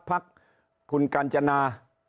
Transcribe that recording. ภักดิ์คุณกัญจนา